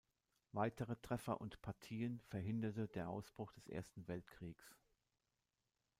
Weitere Treffer und Partien verhinderte der Ausbruch des Ersten Weltkriegs.